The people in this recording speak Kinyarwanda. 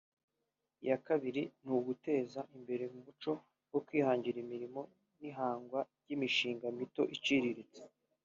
Iya kabiri ni uguteza imbere umuco wo kwihangira imirimo n’ihangwa ry’imishinga mito n’iciriritse